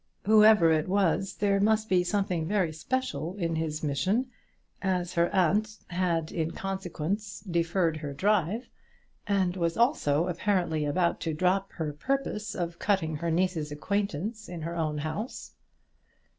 Whoever it was there must be something very special in his mission, as her aunt had, in consequence, deferred her drive, and was also apparently about to drop her purpose of cutting her niece's acquaintance in her own house.